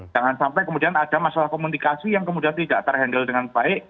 jangan sampai kemudian ada masalah komunikasi yang kemudian tidak terhandle dengan baik